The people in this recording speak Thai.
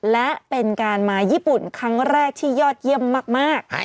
และเป็นการมาญี่ปุ่นครั้งแรกที่ยอดเยี่ยมมาก